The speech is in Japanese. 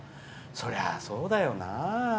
それはそうだよな。